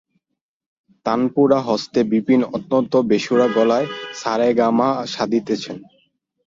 তানপুরা-হস্তে বিপিন অত্যন্ত বেসুরা গলায় সা রে গা মা সাধিতেছেন।